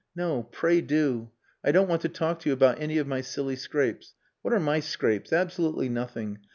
"No pray do. I don't want to talk to you about any of my silly scrapes. What are my scrapes? Absolutely nothing.